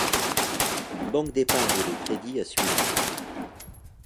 Une banque d'épargne et de crédit a suivi.